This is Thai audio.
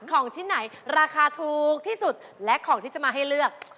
ของชิ้นไหนราคาถูกที่สุดและของที่จะมาให้เลือก